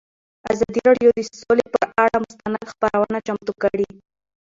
ازادي راډیو د سوله پر اړه مستند خپرونه چمتو کړې.